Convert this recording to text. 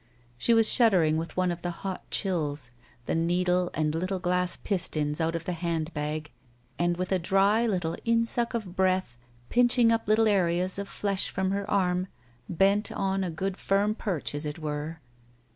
She was shuddering with one of the hot chills. The needle and little glass inston out of the hand bag and with a dry little insuck of breath, pinching up little areas of flesh from her arm, bent on a good firm perch, as it were.